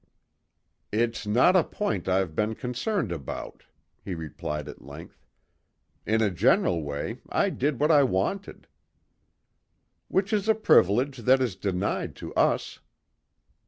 "It's not a point I've been concerned about," he replied at length. "In a general way, I did what I wanted." "Which is a privilege that is denied to us."